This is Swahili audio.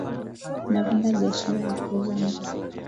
Napenda biashara ya kuuza nguo